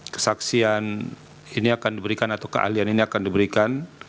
kesaksian ini akan diberikan atau keahlian ini akan diberikan